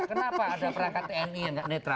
kenapa ada perangkat tni yang nggak netral